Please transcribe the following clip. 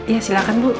ya silahkan bu